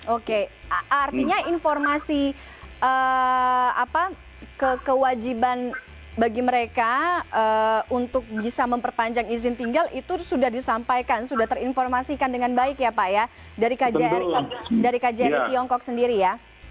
oke artinya informasi kewajiban bagi mereka untuk bisa memperpanjang izin tinggal itu sudah disampaikan sudah terinformasikan dengan baik ya pak ya dari kjri tiongkok sendiri ya